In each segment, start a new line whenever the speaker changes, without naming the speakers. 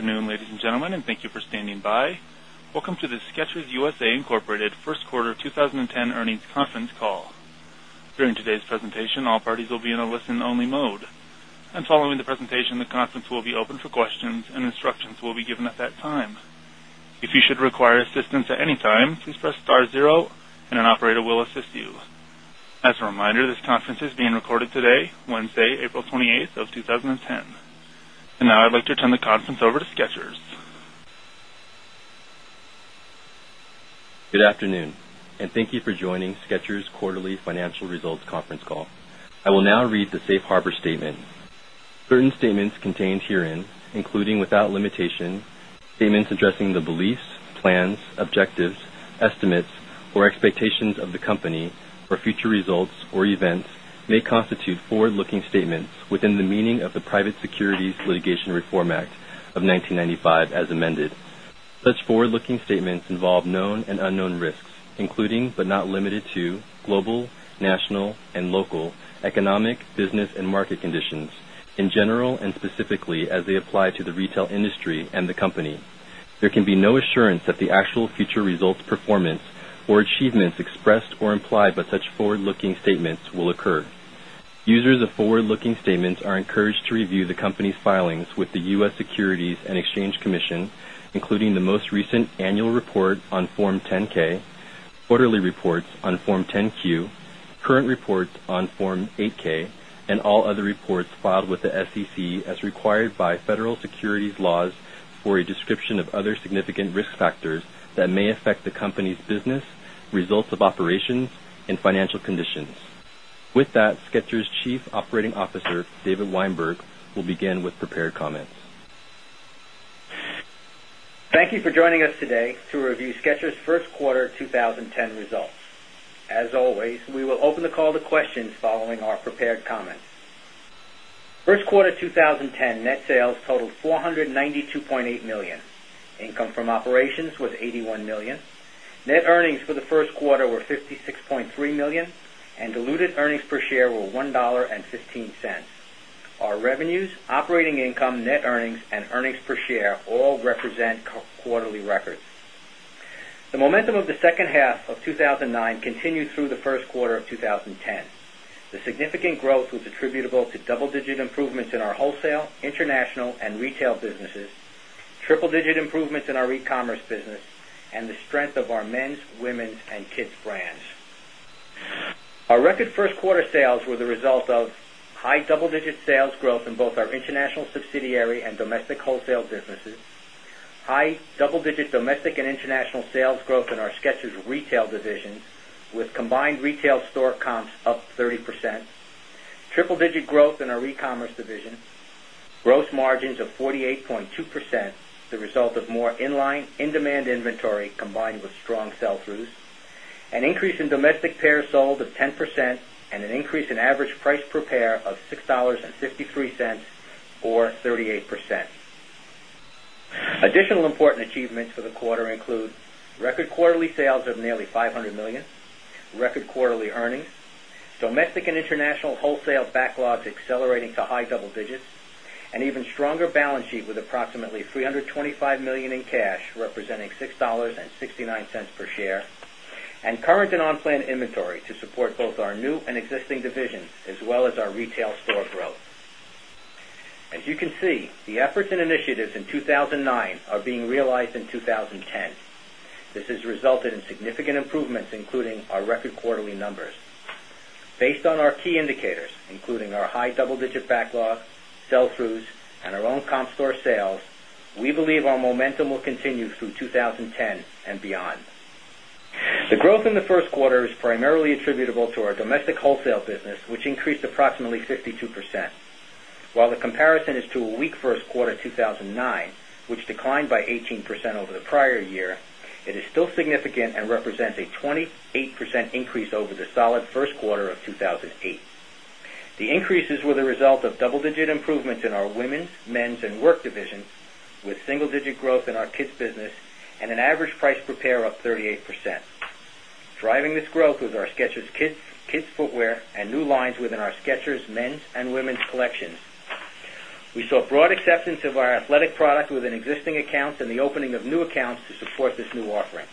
Ladies and gentlemen, and thank you for standing by. Welcome to the SKECHERS USA Incorporated First Quarter 2010 Earnings Conference Call. During today's presentation, all parties will be in a listen only mode. And following the presentation, the conference will be opened for questions and instructions will be given at that time. As a reminder, this conference is being recorded today, Wednesday, April 28, 20 10. And now I'd like to turn the conference over to SKECHERS.
Good afternoon and thank you for Skechers' quarterly financial results conference call. I will now read the Safe Harbor statement. Certain statements contained herein, including without limitation, statements addressing the beliefs, plans, objectives, estimates or expectations of the company for future results or events may constitute forward looking statements within the meaning of the Private Securities Litigation Reform Act of 1995 as amended. Such forward looking statements involve known and unknown risks, including, but not limited to, global, national and local, economic, business and market conditions, in general and specifically as they apply to the retail industry and the company. There can be no assurance that the actual future results performance or achievements expressed or implied by such forward looking statements will occur. Users of forward looking statements are encouraged to review the company's filings with the U. S. Securities and Exchange Commission, including the most recent annual report on Form 10 ks, quarterly reports on Form 10 Q, current reports on Form 8 ks and all other reports filed with the SEC as required by federal securities laws for a description of other significant risk factors that may affect the company's business, results of operations and financial conditions. With that, Skechers' Chief Operating Officer, David Weinberg, will begin with prepared comments.
Thank for joining us today to review Skechers' Q1 2010 results. As always, we will open the call to questions following our prepared comments. 1st quarter 2010 net sales totaled 4 operations was $81,000,000 Net earnings for the Q1 were $56,300,000 and diluted earnings per share were 1.15 dollars Our revenues, operating income, net earnings and earnings per share all represent quarterly records. The momentum of the second half of two thousand and nine continued through the Q1 of 2010. The significant growth was attributable to double digit improvements in our wholesale, international and retail businesses, triple digit improvements in our e commerce business and the strength of our men's, women's and kids brands. Our record first quarter sales were the result of high double digit sales growth in both our international subsidiary and domestic wholesale businesses, high double digit domestic and international sales growth in our SKECHERS retail divisions with combined retail store comps up 30%, triple digit growth in our e commerce division, gross margins of 48.2 percent, the result of more in line in demand inventory combined with strong sell throughs, an increase in domestic important achievements for the quarter include record quarterly sales of nearly $500,000,000 record quarterly earnings, domestic international wholesale backlogs accelerating to high double digits and even stronger balance sheet with approximately $325,000,000 in cash representing $6.69 per share and current and unplanned inventory to support both our new and existing divisions as well as our retail store growth. As you can see, the efforts and initiatives in 2,009 are being realized in 2010. This has resulted in significant improvements including our record quarterly numbers. Based on our key indicators including our high double digit backlog, throughs and our own comp store sales, we believe our momentum will continue through 2010 beyond. The growth in the Q1 is primarily attributable to our domestic wholesale business, which increased approximately 52%. While the comparison is to a weak Q1 2,009, which declined by 18 percent over the prior year, it is still significant and represents a 28% increase over the solid Q1 of 2,008. The increases were the pair up 38%. Driving this growth was our SKECHERS kids footwear and new lines within our SKECHERS men's and women's collections. We saw broad acceptance of our athletic product within existing accounts and the opening of new accounts to support this new offering.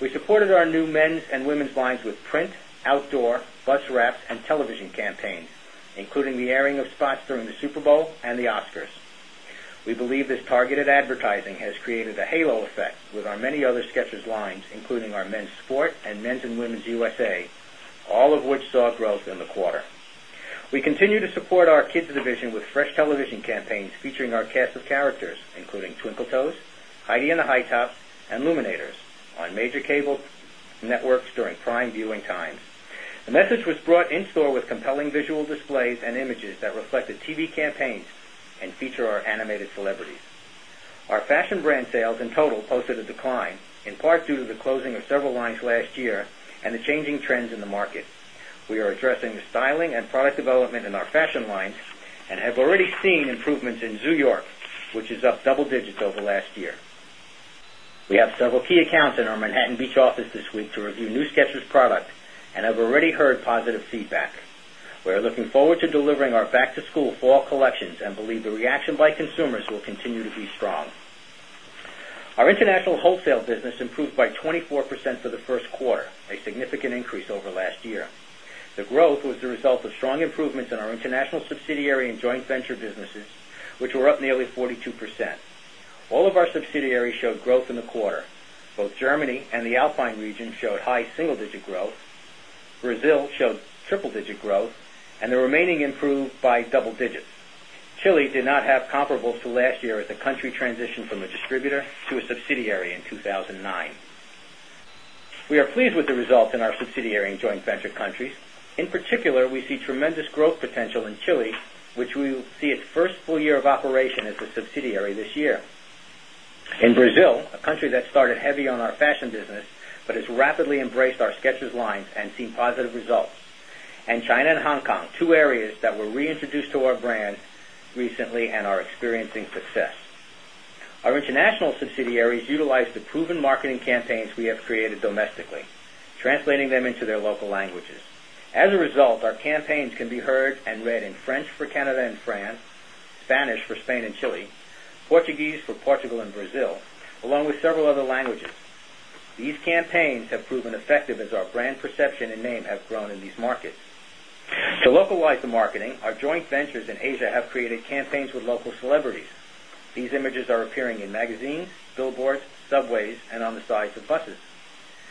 We supported our new men's and women's lines with print, outdoor, bus wraps and television campaigns, including the airing of spots during the Super Bowl and the Oscars. We believe this targeted advertising has created a halo effect with our many other SKECHERS lines including our men's sport and men's and women's USA, all of which saw growth in the quarter. We continue to support our kids division with fresh television campaigns featuring our cast of characters including Twinkle Toes, Heidi in the High Top and Luminators on major cable networks during prime viewing times. The message was brought in store with compelling visual displays and images that reflected TV campaigns and feature our animated celebrities. Our fashion brand sales in total posted a decline in part due to the closing of several lines last year and the changing trends in the market. We are addressing the styling and product development in our fashion lines and have already office this week to review New Skechers product and have already heard positive feedback. We are looking forward to delivering our back to school fall collections and believe the reaction by consumers will continue to be strong. Our international wholesale business improved by 24% for the Q1, a significant increase over last year. The growth was the result of strong improvements in our international subsidiary and joint venture businesses, which were up nearly 42%. All of our improved by double digits. Chile did not have comparables to last year as the country transitioned from a distributor to a subsidiary in 2,009. We are pleased with the results in our subsidiary and joint venture countries. In particular, we see tremendous growth potential in Chile, which we will see its 1st full year of operation as a subsidiary this year. In Brazil, a country that started heavy on our fashion business, but has rapidly embraced our SKECHERS lines and seen positive results. And China and Hong Kong, two areas that were reintroduced to our brand recently and are experiencing success. Our international subsidiaries utilize the proven marketing campaigns we have created domestically, translating them into their local languages. As a result, our campaigns can be heard and read in French for Canada and France, Spanish for Spain and Chile, Portuguese for Portugal and Brazil along with several other languages. These campaigns have proven effective as our brand perception and name have grown in these markets. To localize the marketing, our joint ventures in Asia have created campaigns with local celebrities. These images are appearing 5 stores including a new store in Singapore and another in Thailand,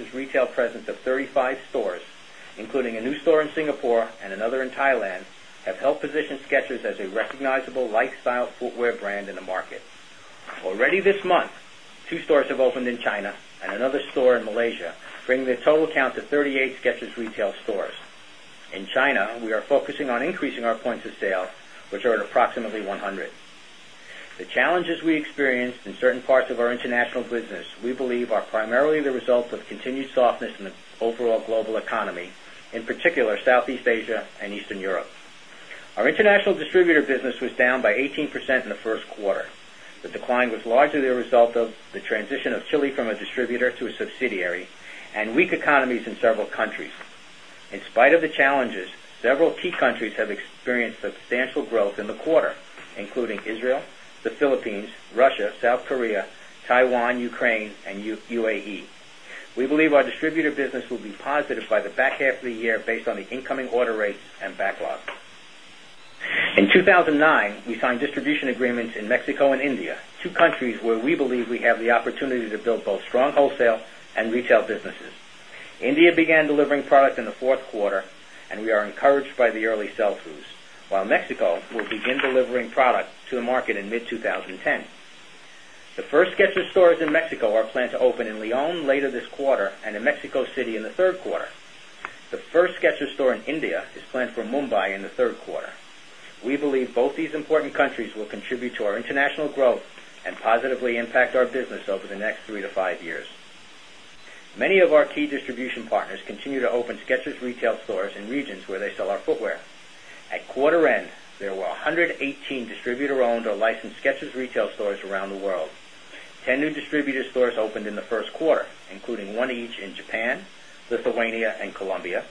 5 stores including a new store in Singapore and another in Thailand have helped position SKECHERS as a recognizable lifestyle footwear brand in the market. Already this month, 2 stores have opened in China and another store in Malaysia, bringing the total count to 38 Skechers retail stores. In China, we are focusing on increasing our points of sale, which are at approximately The challenges we experienced in certain parts of our international business, we believe are primarily the result of continued softness in the overall global economy, in particular Southeast Asia and Eastern Europe. Our international distributor business was down by 18% in the Q1. The decline was largely a result of the transition of Chile from a distributor to a subsidiary and weak economies in several countries. In spite of the challenges, several key countries have experienced substantial growth in the quarter, including Israel, the Philippines, Russia, South Korea, Taiwan, Ukraine and UAE. We believe our distributor business will be positive by the back half of the year based on incoming order rates and backlog. In 2,009, we signed distribution agreements in Mexico and India, two countries where we believe we have the opportunity to build both strong wholesale and retail businesses. India began delivering product in the Q4 and we are encouraged by the early sell throughs, while Mexico will begin delivering product to the market in mid-twenty 10. The 1st Skechers stores in Mexico are planned to open in Lyon later this quarter and in Mexico City in Q3. The first Skechers store in India is planned for Mumbai in Q3. We believe both these important countries will contribute to our international growth and positively impact our business over the next 3 to 5 years. Many of our key distribution partners continue to open SKECHERS retail stores in regions where they sell our footwear. At quarter end, there were 118 distributor owned or licensed SKECHERS retail stores around the world. 10 new distributor stores opened in the Q1, including 1 each in Japan, Lithuania and Colombia,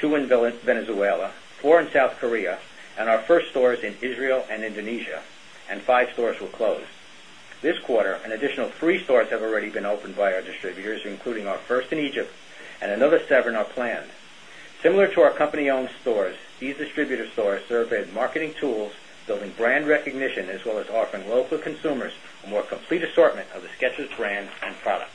2 in Venezuela, 4 in South Korea and our first stores in Israel and Indonesia and 5 stores were closed. This quarter, an additional 3 stores have already been opened by our distributors, including our first in Egypt and another 7 are planned. Similar to our company owned stores, these distributor stores serve as marketing tools, building brand recognition as well as offering local consumers serve as marketing tools, building brand recognition as well as offering local consumers a more complete assortment of the SKECHERS brand and product.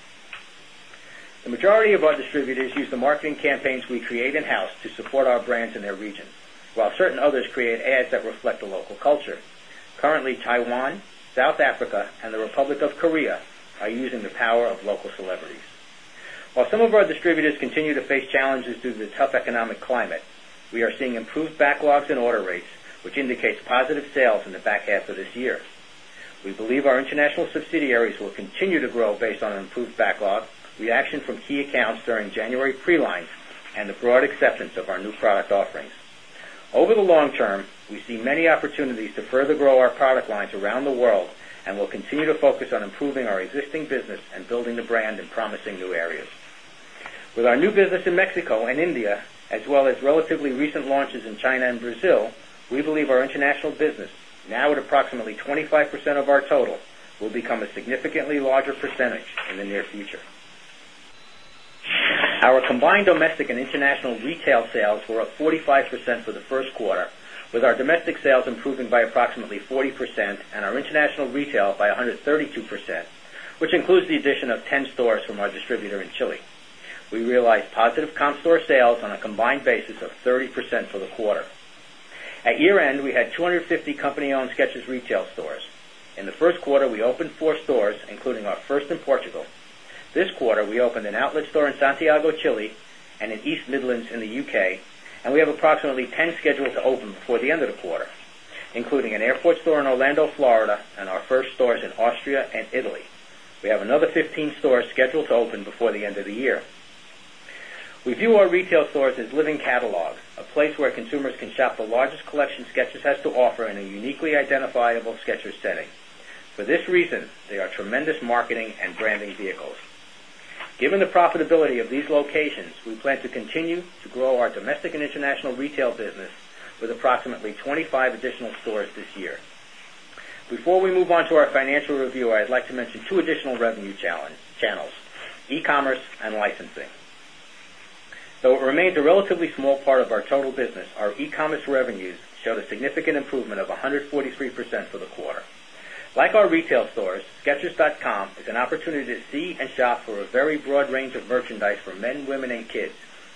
The The majority of our distributors use the marketing campaigns we create in house to support our brands in their region, while certain others create ads that reflect the local culture. Currently, Taiwan, South Africa and the Republic of Korea are using the power of local celebrities. While some of our distributors continue to face challenges due to the tough economic climate, we are seeing improved backlogs and order rates, which indicates positive sales in the back half of this year. We believe our international subsidiaries will continue to grow based on improved backlog, reaction from key accounts during January pre lines and broad acceptance of our new product offerings. Over the long term, we see many opportunities to further grow our product lines around the world and we'll continue to focus on improving our existing business and building the brand in promising new areas. With our new business in Mexico and India, as well as relatively recent launches in China and Brazil, we believe our international business now at approximately 25% of our total will become a quarter with our domestic sales improving by approximately 40% and our international retail by 132%, which includes the addition of 10 stores from our distributor in Chile. We realized positive comp store sales on a combined basis of 30% for the quarter. At year end, we had 2 50 company owned SKECHERS retail stores. In the Q1, we opened 4 stores including our first in Portugal. This quarter, we opened an outlet store in Santiago, Chile and in East Midlands in the UK and we have approximately 10 scheduled to open before the end of the quarter, including an airport store in Orlando, Florida and our first stores in Austria and Italy. We have another 15 stores scheduled to open before the end of the year. We view our retail stores as living catalogs, a place where consumers can shop the largest collection SKECHERS has to offer in a uniquely identifiable SKECHERS setting. For this reason, they are tremendous marketing and branding vehicles. Given the profitability of these locations, we plan to continue to grow our domestic and international retail business approximately 25 additional stores this year. Before we move on to our financial review, I'd like to mention 2 additional revenue channels, improvement of 143 percent for the quarter. Like our retail stores, SKECHERS.com is an opportunity to see and shop a very broad range of merchandise for men, women and kids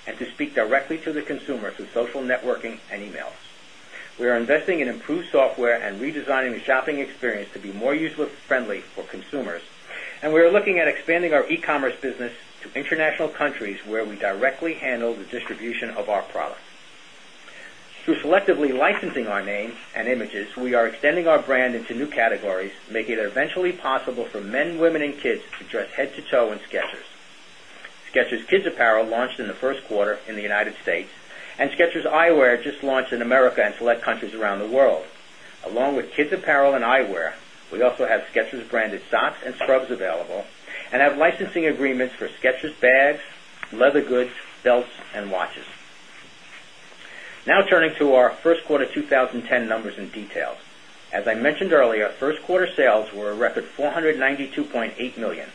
and to speak directly to the consumer through social networking and emails. We are investing in improved software and redesigning the shopping experience to be more user friendly for consumers. And we are looking at expanding our e commerce business to international countries where we directly handle the distribution of our product. Through selectively licensing our head to toe in SKECHERS. SKECHERS kids apparel launched in the Q1 in the United States and SKECHERS Eyewear just launched in America and select countries around the world. Along with kids apparel and eyewear, we also have SKECHERS branded socks and scrubs available and have licensing agreements for SKECHERS bags, leather goods, belts and watches. Now turning to our Q1 2010 numbers and details. As I mentioned earlier, Q1 sales were a record $492,800,000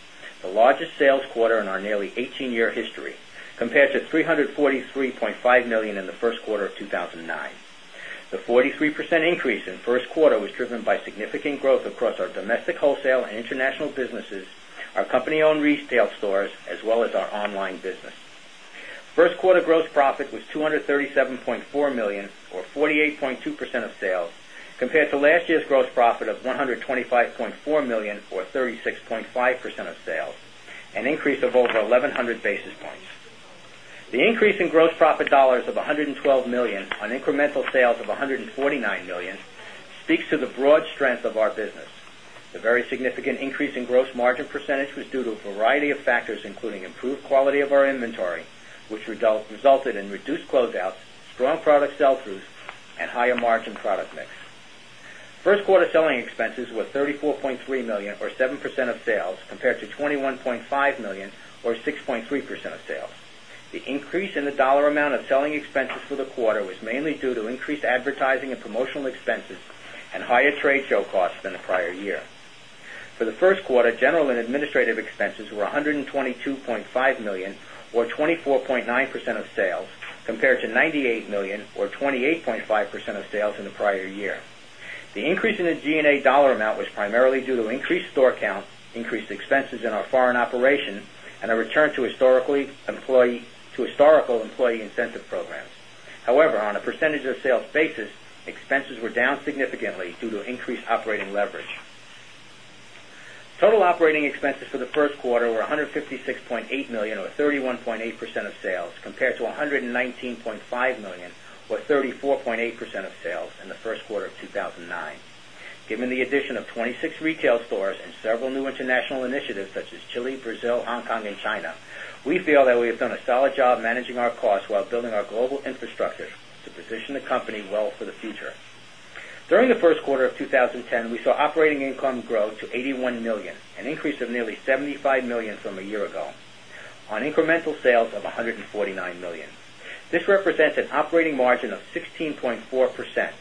the largest sales quarter in our nearly 18 year history compared to 343 $500,000 in the Q1 of 2009. The 43% increase in Q1 was driven by significant growth across our domestic wholesale and international businesses, our company owned retail stores as well as our online business. 1st quarter gross profit was $237,400,000 or 48.2 percent of sales compared to last year's gross profit of $125,400,000 or 36.5 percent of sales, an increase of over 1100 basis points. The increase in gross profit dollars of $112,000,000 on incremental sales of $149,000,000 speaks to the broad strength of our business. The very significant increase in gross margin percentage was due to a variety of factors including selling expenses were $34,300,000 or 7 percent of sales compared to $21,500,000 or 6.3 percent of sales. The increase in the dollar amount of selling expenses for the quarter was mainly due to increased advertising and promotional expenses and higher trade show costs than the prior year. For the Q1, general and administrative expenses were $122,500,000 or 24.9 percent of sales compared to $98,000,000 or 28.5 percent of sales in the prior year. The increase in the G and A dollar amount was primarily due to increased store count, increased expenses in our foreign operation and a return to historical employee incentive programs. However, on a percentage of sales basis, expenses were down significantly due to increased operating leverage. Total operating expense for the Q1 were $156,800,000 or 31.8 percent of sales compared to $119,500,000 or 30 4.8 percent of sales in the Q1 of 2,009. Given the addition of 26 retail stores and several new international initiatives such as Chile, Brazil, Hong Kong and China, we feel that we have done a solid job managing our costs while building our global infrastructure to position the company well for the future. During the Q1 of 2010, we saw operating income grow to $81,000,000 an increase of nearly $75,000,000 from a year ago on incremental sales of $149,000,000 This represents an operating margin of 16.4 percent.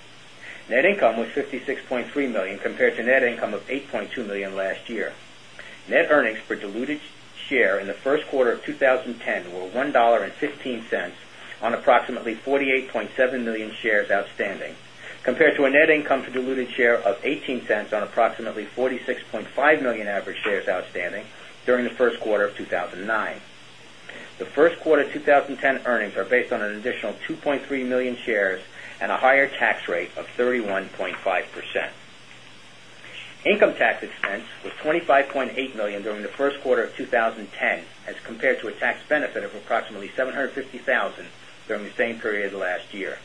Net income was $56,300,000 compared to net income of $8,200,000 last year. Net earnings per diluted share in the Q1 of 2010 were $1.15 on approximately 48,700,000 shares outstanding compared to a net income to diluted share of $0.18 on approximately 46.5 1,000,000 average shares outstanding during the Q1 of 2019. The Q1 of 2010 earnings are based on an additional 2 point $25,800,000 during the Q1 of 2010 as compared to a tax benefit of approximately $750,000 during the same period last year.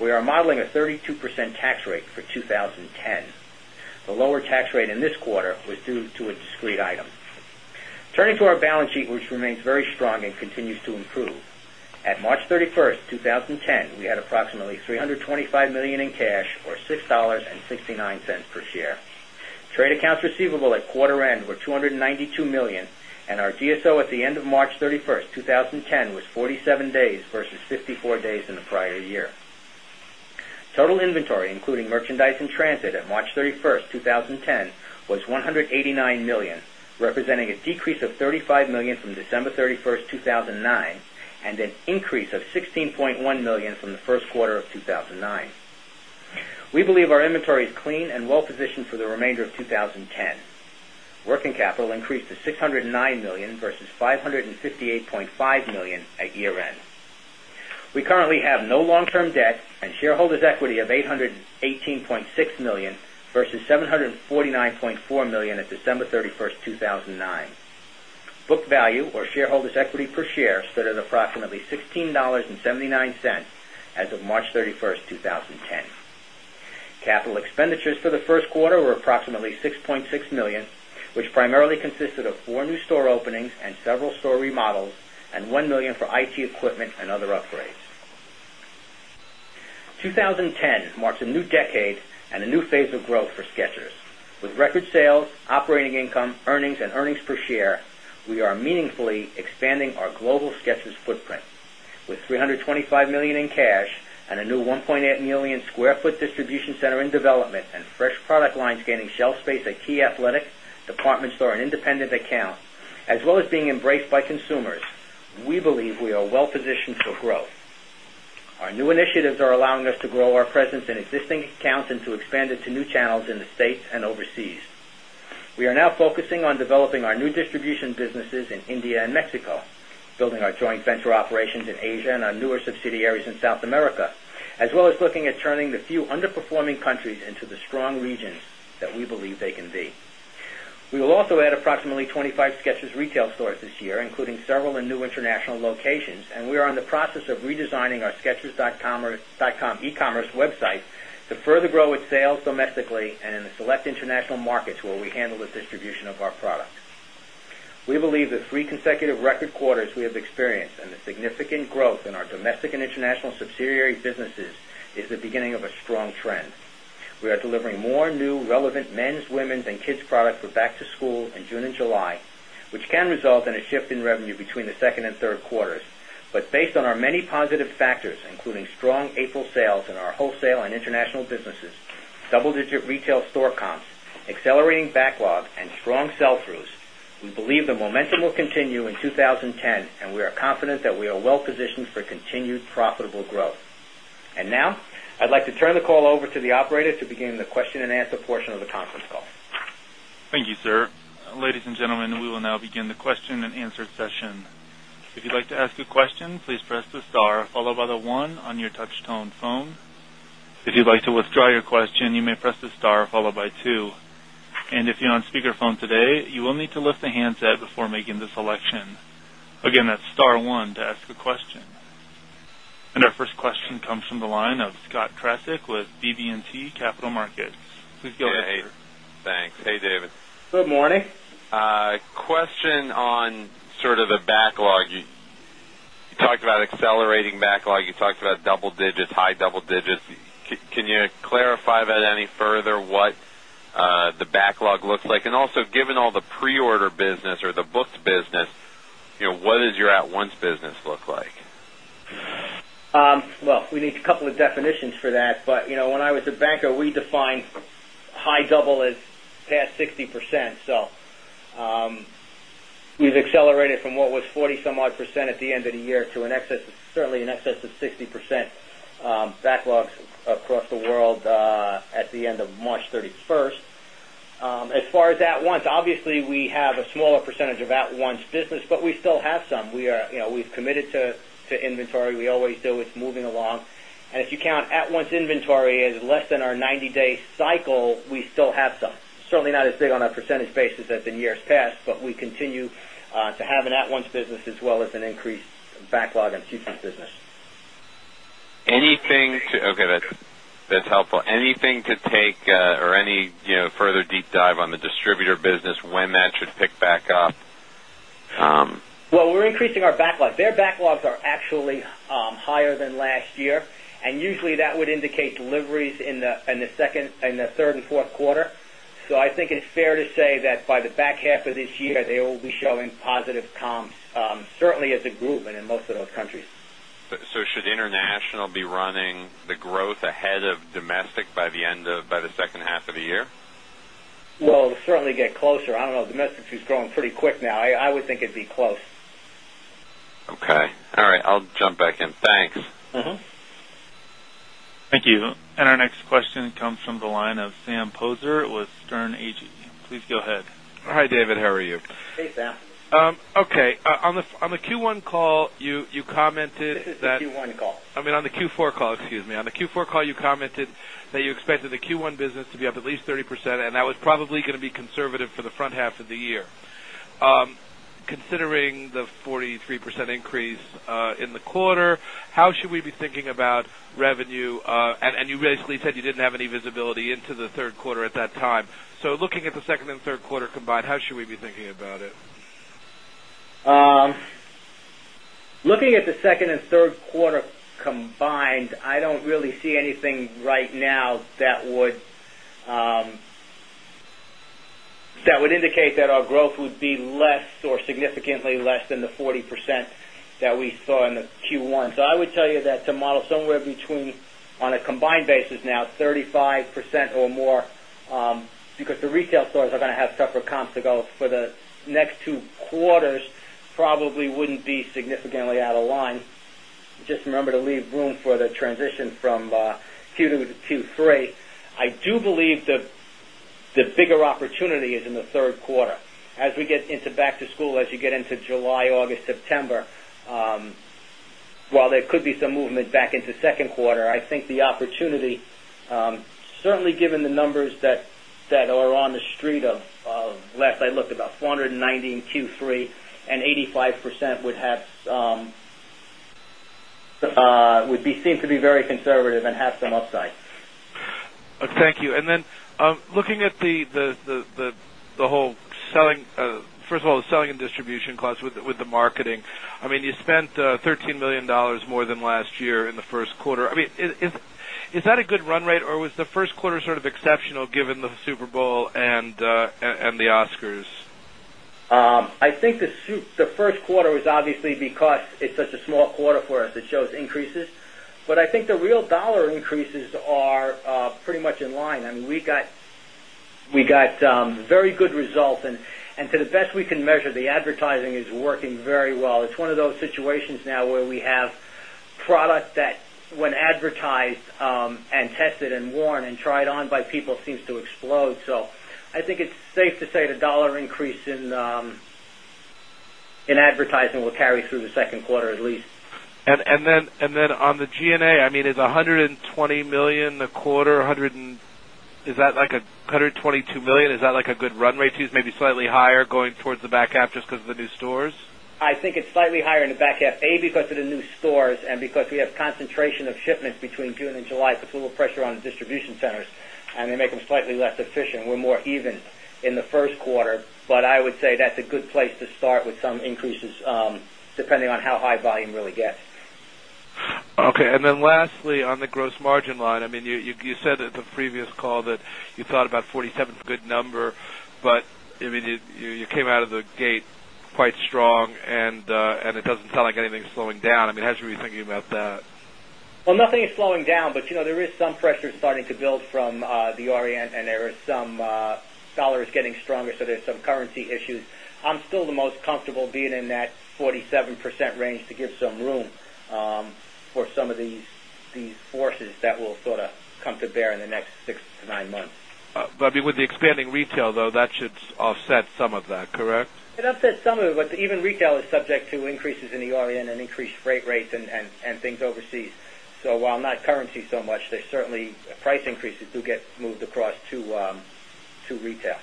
We are modeling a 32% tax rate for 20.10. The lower tax rate in this quarter was due to a discrete item. Turning to our balance sheet, which very strong and continues to improve. At March 31, 2010, we had approximately $325,000,000 in cash or $6.69 per share. Trade accounts receivable at quarter end were $292,000,000 and our DSO at the end of March 31, 2010 was $189,000,000 representing a decrease of $35,000,000 from December 31, 2009 and an increase of 16 point $1,000,000 from the Q1 of 2,009. We believe our inventory is clean and well positioned for the remainder of 20 10. Working capital 10. Debt and shareholders' equity of $818,600,000 versus $749,400,000 at December 31, 2000 and 9. Book value or shareholders' equity per share stood at approximately $16.79 as of March 31, 2010. Capital expenditures for the Q1 were approximately $6,600,000 which primarily consisted of 4 new store openings 2010 marks a new decade and a new phase of growth for Skechers. With record sales, operating income, earnings and earnings per share, we are meaningfully expanding our global Skechers footprint with $325,000,000 in cash and a new 1,800,000 square foot distribution center in development and fresh product lines gaining shelf space at key athletic, department store and independent account, as well as being embraced by consumers, we believe we are well positioned for growth. Our new initiatives are allowing us to grow our presence in existing accounts and to expand it to new channels in the states and overseas. We are now focusing on developing our new distribution businesses in India and Mexico, building our joint venture operations in Asia and our newer subsidiaries in South America, as well as looking at the few underperforming countries into the strong regions that we believe they can be. We will also add approximately 25 SKECHERS retail stores this year, including several and new international locations and we are in the process of redesigning our SKECHERS.comecommerce website to further grow its sales domestically and in the select international markets where we handle the distribution of our products. We believe the 3 consecutive record quarters we have experienced and the significant growth in our domestic and international subsidiary businesses is the beginning of a strong trend. We delivering more new relevant men's, women's and kids product for back to school in June July, which can result in a shift in revenue between the 2nd and third quarters. But based on our many positive factors, including strong April sales in our wholesale and international businesses, double digit retail store comps, accelerating backlog and strong sell throughs, we believe the momentum will continue in 2010 and we are confident that we are well positioned for continued profitable growth. And now, I'd like to turn the call over to the operator to begin the question and answer portion of the conference call.
Thank you, sir. Ladies and gentlemen, we will now begin the question and answer session. BB and T Capital Markets. Please go ahead. Thanks. Hey, David.
Good morning.
Question on sort of the backlog, you talked about accelerating backlog, you talked about double digits, high double digits. Can you clarify that any further what the backlog looks like? And also given all the pre order business or the booked business, what does your at once business look like?
Well, we need a couple of definitions for that. But when I was a banker, we defined high double as past 60%. So we've accelerated from what was 40 some odd percent at the end of the year to an excess certainly in excess of 60% backlogs across the world at the end of March 31. As far as at once, obviously, we have a smaller percentage of at once business, but we still have some. We are we've committed to inventory. We always do with moving along. And if you count at once inventory is less than our 90 day cycle, we still have some certainly not as big on a percentage basis as in years past, but we continue to have an at once business as well as an increased backlog in C2's business.
Anything to okay, that's helpful. Anything to take or any further deep dive on the distributor business when that should pick back up?
Well, we're increasing our backlog. Their backlogs are actually higher than last year. And usually that would indicate deliveries in the second in the third and fourth quarter. So I think it's fair to say that by the back half of this year, they will be showing positive comps certainly as a group and in most of those countries.
So should international be running the growth ahead of domestic by the end of by the second half of the year?
Well, certainly get closer. I don't know, domestic is growing pretty quick now. I would think it'd be close.
Okay. All right. I'll jump back in.
And our next question comes from the line of Sam Poser with Stern AG.
Are you?
Hey, Sam.
Okay. On the Q1 call, you commented This is the
Q1 call.
I mean on the Q4 call, excuse me, on the Q4 call, you commented that you expected the Q1 business to be up at least 30% and that was probably going to be conservative for the front half of the year. Considering the 43% increase in the quarter, how should we be thinking about revenue? And you basically said you didn't have any visibility into the Q3 at that time. So looking at the 2nd and third quarter combined, how should we be thinking about it?
Looking at the 2nd and third quarter combined, I don't really see anything right now that would significantly less than the 40% growth would be less or significantly less than the 40% that we saw in the Q1. So I would tell you that to model somewhere between on a combined basis now, quarters, probably wouldn't be significantly out of line. Quarters, probably wouldn't be significantly out of line. Just remember to leave room for the transition from Q2 to Q3. I do believe the bigger opportunity is in the Q3. As we get into back to school, as you get into July, August, September, while there could be some movement back into Q2, I think the opportunity certainly given the numbers that are on the street of last I looked about 490 in Q3 and 85% would have would be seem to be very
selling and distribution costs with the marketing, I mean, you spent $13,000,000 more than last year in the Q1. I mean, is that a good run rate or was the Q1 sort of exceptional given the Super Bowl and the Oscars?
I think the Q1 was obviously because it's suit the Q1 was obviously because it's such a small quarter for us. It shows increases. But I think the real dollar increases are pretty much in line. I mean, we got very good results and to the best we can measure the advertising is working very well. It's one of those situations now where we have product that when advertised and tested and worn and tried on by people seems explode. So I think it's safe to say the dollar increase in advertising will carry through the 2nd quarter at least.
And then on the G and A, I mean, is $120,000,000 in the quarter, is that like $122,000,000 is that like a good run rate to you, maybe slightly higher going towards the back half just because of the new stores?
I think it's slightly higher in the back half, A, because of the new stores and because we have concentration of shipments between June July, pressure on the distribution centers and they make them slightly less efficient. We're more even in the Q1, but I would say that's a good place to start with some increases depending on how high volume really gets. Okay.
And then lastly on the gross margin line, I mean you said at the previous call that you thought about 47 is a good number, but I mean you came out of the gate quite strong and it doesn't sound like anything is slowing down. I mean, how should we be thinking about that?
Well, nothing is slowing down, but there is some pressure starting to build from the Orient and there is some dollar is getting stronger, so there's some currency issues. I'm still the most comfortable being in that 47% range to give some room for some of these forces that will sort of come to bear in the next 6 to 9 months.
But with the expanding retail though that should offset some of that, correct?
It offsets some of it, but even retail is subject to increases in the OEM and increased freight rates and things overseas. So while not currency so much, there's certainly price increases do get moved across to retail.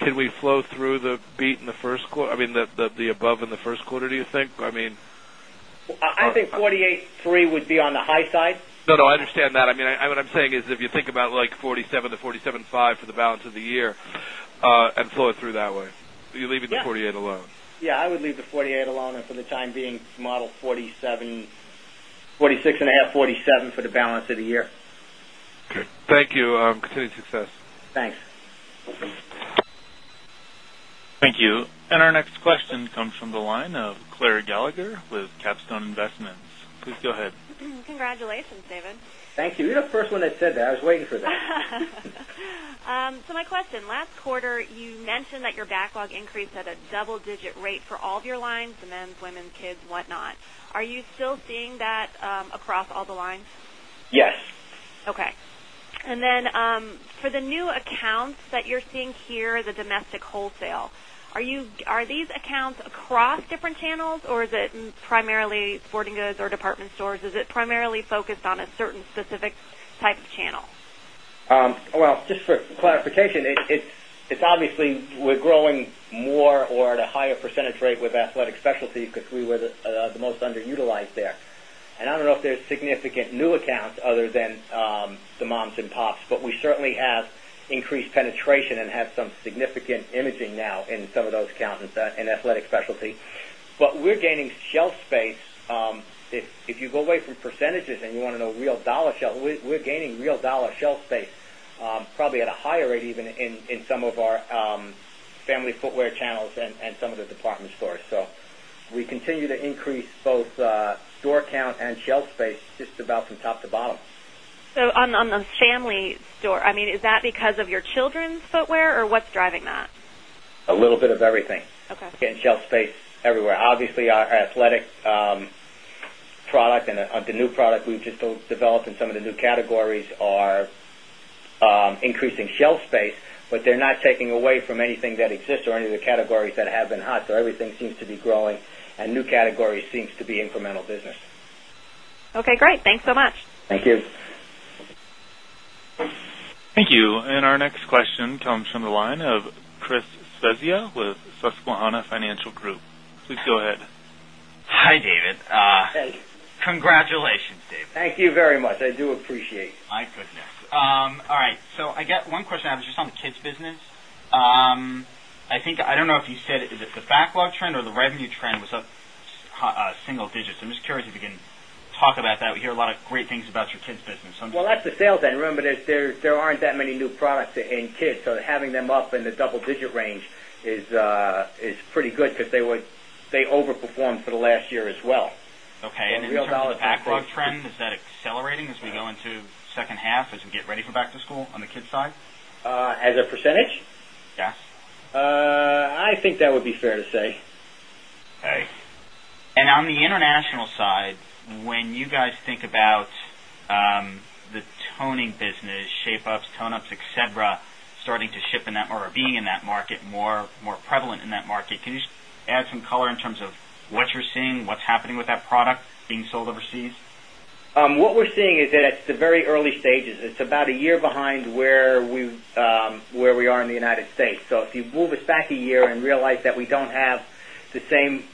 Can we flow through the beat in the first quarter? I mean, the above in the Q1, do you think? I mean
I think 48.3 would be on the high side.
No, no, I understand that. I mean, what I'm saying is if you think about like 47 to 47 5 for the balance of the year and flow through that way. You're leaving the 48 alone.
Yes, I would leave the 48 alone and for the time being model 46.5, 47 for the balance of the year.
Okay. Thank you. Continued success.
Thanks.
Thank you. And our next question comes from the line of Claire Gallagher with Capstone Investments. Please
Congratulations, David. Thank you.
You're the first one that said that. I was waiting for that.
So my question, last quarter, you mentioned that your backlog increased at a double digit rate for all of your lines, the men's, women's, kids, whatnot. Are you still seeing that across all the lines?
Yes.
Okay. And then for the new accounts that you're seeing here, the domestic wholesale, are you are these accounts across different channels? Or is it primarily sporting goods or department stores? Is it primarily focused on a certain specific type of channel?
Well, just for clarification, it's obviously we're growing more or at a higher percentage rate with athletic specialties because we were the most underutilized there. And I don't know if there's significant new accounts other than the moms and pops, we certainly have increased penetration and have some significant imaging now in some of those accounts in athletic specialty. But we're gaining shelf space. If you go away from percentages and you want to know real dollar shelf, we're gaining real dollar shelf space probably at a higher rate even in some of our family footwear channels and some of the department stores. So we continue to increase both store count and shelf space just about from top to
bottom. So on the family store, I mean, is that because of your children's footwear or what's driving that?
A little bit of everything. Okay. Again, shelf space everywhere. Obviously, our athletic product and the new product we've just developed in some of the new categories are increasing shelf space, but they're not taking away from anything that exists or any of the categories that have been hot. So everything seems to be growing and new category seems to be incremental business.
And our next
know if you said is
it the backlog trend or the revenue trend was up single digits. I'm just curious if you can talk about that. We hear a lot of great things about your kids business.
Well, that's the sale then. Remember, there aren't that many new products in kids. So having them up in the double digit range is pretty good because they over performed for the last year as well.
Okay. And then the backlog trend, is that accelerating as we go into second half as we get ready
for back to school on the kids side? As a percentage? Yes. I think that would be fair to say.
Okay. And on the international side, when you guys think about the toning business, shape ups, tone ups, etcetera, starting to ship in that or being in that market, more prevalent in that market. Can you just add some color in terms of what you're seeing, what's happening with that product being sold overseas?
What we're seeing is that at the very early stages, it's about a year behind where we are in the United States. So if you move us back a year and realize that we don't have the same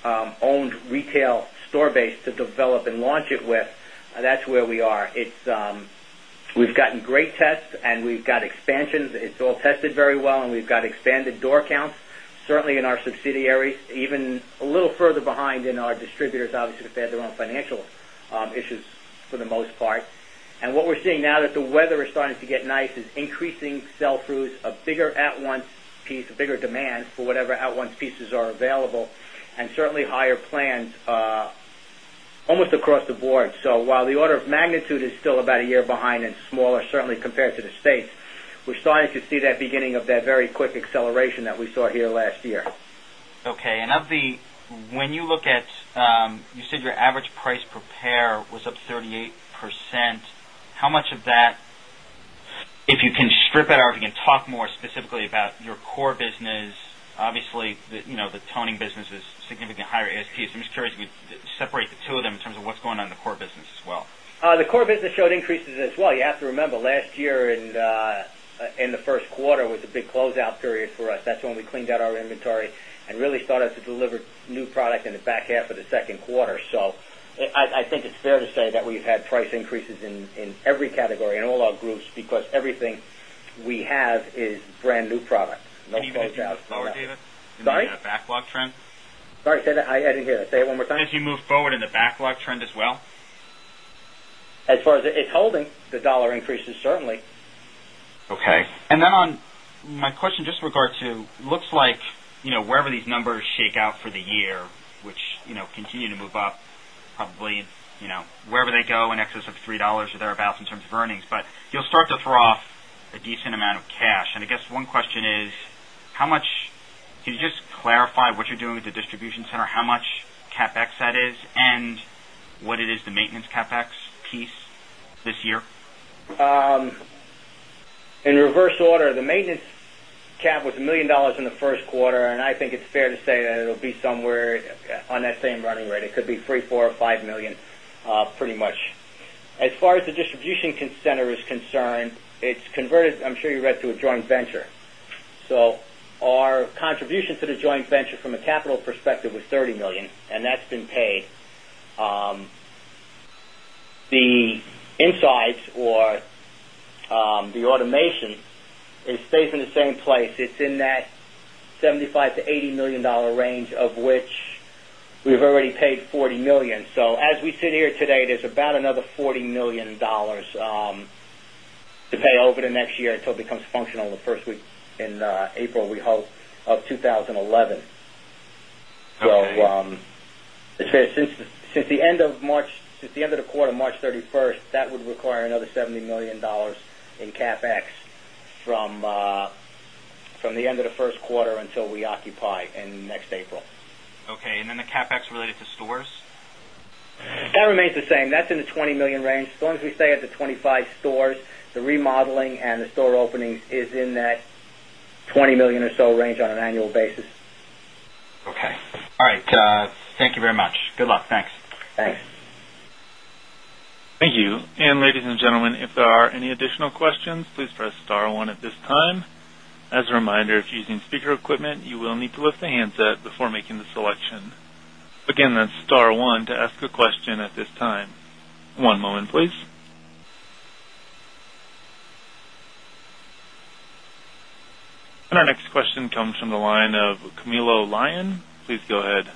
owned retail store base to develop and launch it with, that's where we are. It's we've gotten great tests and we've got expanded door counts certainly in our subsidiaries even a little further behind in our distributors obviously have had their own financial issues for the most part. And what we're seeing now that the weather is starting to get nice is increasing sell throughs, a bigger at once piece, bigger demand for whatever at once pieces are available and certainly higher plans almost across the board. So while the order of magnitude is still about a year behind and smaller certainly compared to the states, we're starting to see that beginning of that very quick acceleration that we saw here last year.
And of the when you look at, you said your average price per pair was up 38%. How much of that if you can strip that out, if you can talk more specifically about your core business, obviously, the toning business is significantly higher ASPs. I'm just curious if you could separate the 2 of them in terms of what's going on in the core business as well?
The core business showed increases as well. You have to remember last year in Q1 was a big closeout period for us. That's when we cleaned out our inventory and really started to deliver new product in the back half of the second quarter. So I think it's fair to say that we've had price increases in every category in all our groups because move forward, David? Sorry?
In backlog trend?
Sorry, say that. I didn't hear it. Say it one more time.
As you move forward in backlog trend as well?
As far as it's holding the dollar increases certainly.
Okay. And
then on my question just regard to looks like wherever these numbers shake out for the year, which continue to move up probably wherever they go in excess of $3 or thereabouts in terms of earnings. But you'll start to throw off a decent amount of cash. And I guess one question is, how much can you just clarify what you're doing with the distribution center? How much CapEx that is? And what it is the maintenance CapEx piece this year?
In reverse order, the maintenance cap was $1,000,000 in the Q1 and I think it's fair to say that it will be somewhere on that same running rate. It could be $3,000,000 $4,000,000 or $5,000,000 pretty much. As far as the distribution center is concerned, it's converted, I'm sure you read to a joint venture. So our contribution to the joint venture from perspective was $30,000,000 and that's been paid. The insights or the automation, it stays in the same place. It's in that $75,000,000 to $80,000,000 range of which we've already paid $40,000,000 So as we sit here today, there's about another $40,000,000 to pay over the next until it becomes functional in the 1st week in April, we hope, of 2011. So it's fair since the end of March since the end of the quarter March 31, that would require another $70,000,000 in CapEx from the end of the first quarter until we occupy in next April.
Okay. And then the CapEx related to stores?
That remains the same. That's in the 20,000,000 range. As long as we stay at the 25 stores, the remodeling and the store openings is in that 20,000,000 or so range on an annual basis.
And our next question comes from the line of Camilo Lyon. Please go ahead.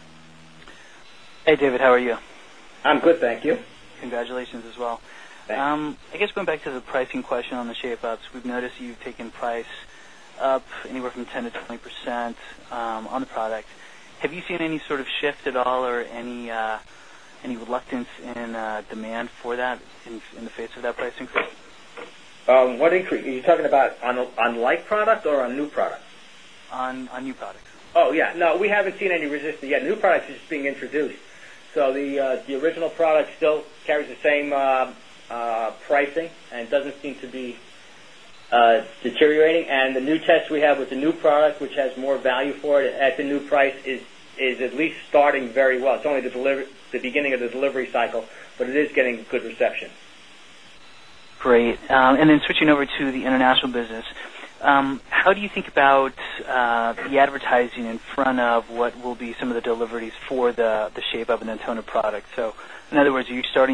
Hey, David. How are you?
I'm good. Thank you.
Congratulations as well. I guess going back to the pricing question on the shape ups, we've noticed you've taken price up anywhere from 10% to 20 percent on the product. Have you seen any sort of shift at all or any reluctance in demand for that in the face of that price increase?
What increase? Are you talking about on like product or on new products?
On new products.
Yes. No, we haven't seen any resistance yet. New products is being introduced. So the original product still carries the same pricing and it doesn't seem to be deteriorating. And the new test we have with the new product, which has more value for it at the new price is at least starting very well. It's only the delivery the beginning of the delivery cycle, but it is getting good reception.
Great. And then switching over to the international business, how do you think about the advertising in front of what will be some of the deliveries for the shape of an antenna product? So in other words, are you
very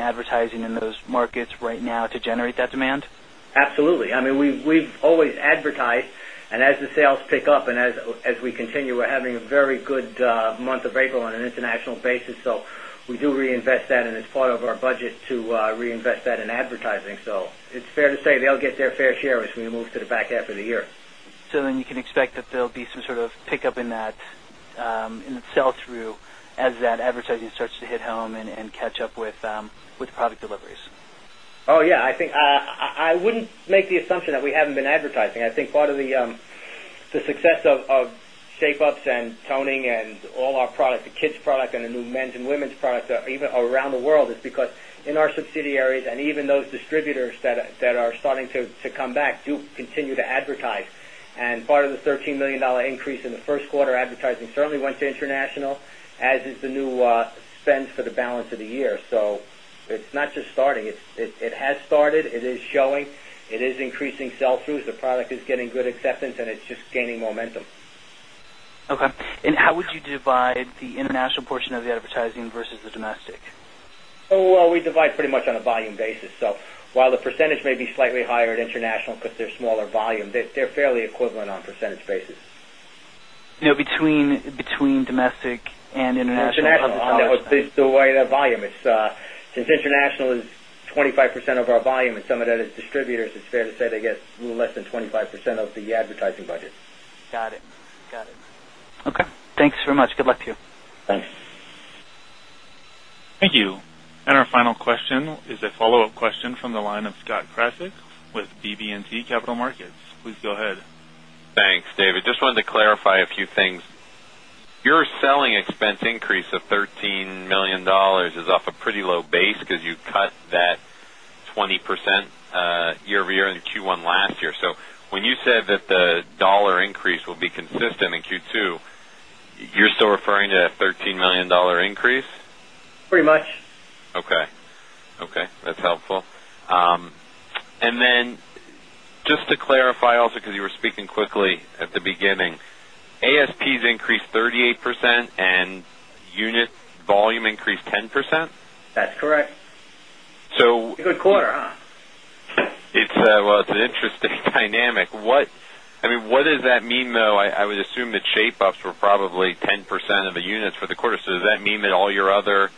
advertised and as the sales pick up and as we continue, we're having a very good month of April on an international basis. So we do reinvest that and it's part of our budget to reinvest that in advertising. So, that and it's part of our budget to reinvest that in advertising. So it's fair to say they'll get their fair share as we move to the back half of the year.
So then you can expect that there'll be some sort of pick up in that sell through as that advertising starts to hit home and catch up with product deliveries?
Yes, I think I wouldn't make the assumption that we haven't been advertising. I think part of the success of shape ups and toning and all our products, the kids product and the new men's and women's products even around the world is because in our subsidiaries and even those distributors that are starting to come back do continue to advertise. And part of the $13,000,000 increase in the Q1 advertising certainly went to international as is the new spend for the balance of the year. So it's not just starting, it has started, it is showing, it is increasing sell throughs, the product is getting good acceptance and it's just gaining momentum.
Okay. And how would you divide the international portion of the advertising versus the domestic? So, we divide pretty much on
a volume basis. So, while the percentage may be slightly higher at international because they're smaller volume, they're fairly Since international is Since international is 25% of our volume and some of that is distributors, it's fair to say they get less than 25% of the advertising budget.
Got it. Okay. Thanks very much. Good luck to you.
Thanks. Thank
you. And our final question is a follow-up question from the line of Scott Krasek with BB and T Capital Markets. Please go ahead.
Thanks, David. Just wanted to clarify a few things. Your selling expense increase of $13,000,000 is off a pretty low base because you cut that 20%
year over
year in Q1 last year. So when you said that the dollar increase will be consistent in Q2, you're still referring to $13,000,000 increase? Pretty much. Okay. That's helpful. Then just to clarify also because you were speaking quickly at the beginning, ASPs increased 38% and unit volume increased 10%?
That's correct. Good quarter.
Well, it's an interesting dynamic. What does that mean though? I would assume that shape ups were probably 10% of the units for the quarter. So does that mean that all your other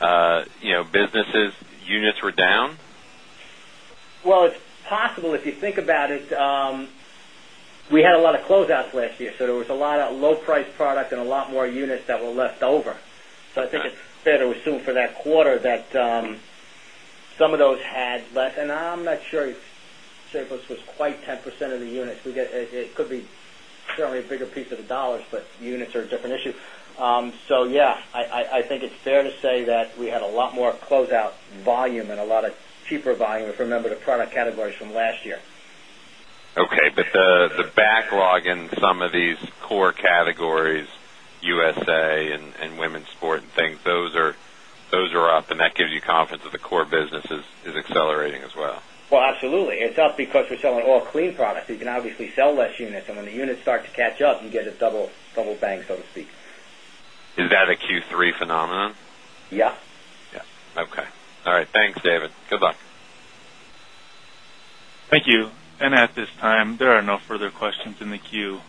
businesses units were down?
Well, it's possible. If you think about it, we had a lot of closeouts last year. So there was a lot of low priced products and a lot more units that were left over. So I think it's fair to assume for that quarter that some of those had less. And I'm not sure if Seifert was quite 10% of the units. We get it could be certainly a bigger piece of the dollars, but units are a different issue. So yes, I think it's fair to say that we had a lot more closeout volume and a lot of cheaper volume if I remember the product categories from last year.
Okay. But the backlog in some of these core categories USA and women's sport and things, those are up and that gives you confidence that the core business is accelerating as well?
Well, absolutely. It's up because we're selling all clean products. You can obviously sell less units and when the units start to catch up, you get a double bang, so to speak.
Is that a Q3 phenomenon?
Yes.
Yes. Okay. All right. Thanks, David. Good luck.
Thank you. And at this time, there are no further questions in the queue.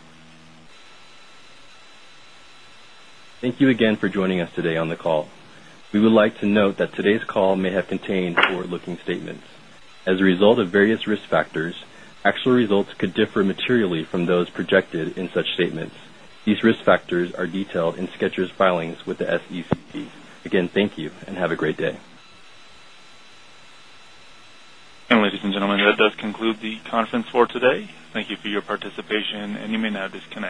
Thank you again for joining us today on the call. We would like to note that today's call may have contained forward looking statements. As a result of various risk factors, actual results could differ materially from those projected in such statements. These risk factors are detailed in Skechers' filings with the SEC. Again, thank you and have a great day.
And ladies and gentlemen, that does conclude the conference for today. Thank you for your participation and you may now disconnect.